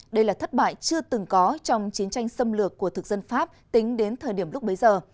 đây là thất bại chưa từng có trong chiến tranh xâm lược của thực dân pháp tính đến thời điểm lúc bấy giờ